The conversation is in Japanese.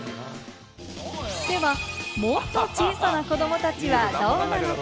では、もっと小さな子どもたちはどうなのか？